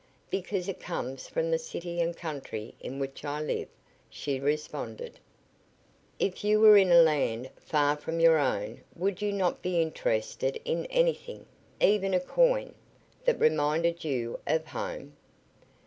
"Because it comes from the city and country in which I live," she responded. "If you were in a land far from your own would you not be interested in anything even a coin that reminded you of home?"